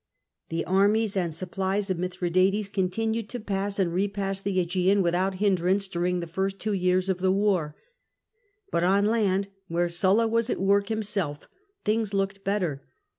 The armies and supplies of Mithradates continued to pass and repass the Mgean. without hindrance during the first two years of the war. But on land, where Sulla was at work himself, things looked better.